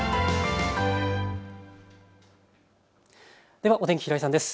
ではお天気、平井さんです。